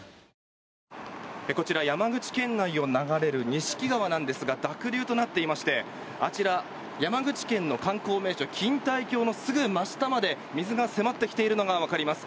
こちら山口県内を流れる錦川なんですが濁流となっていましてあちら、山口県の観光名所錦帯橋のすぐ真下まで水が迫ってきているのがわかります。